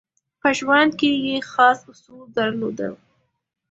په ژوند کې یې خاص اصول درلودل.